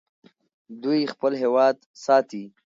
دوی خپل هېواد ساتي.